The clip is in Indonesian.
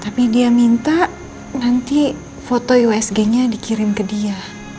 tapi dia minta nanti foto usg nya dikirim ke dia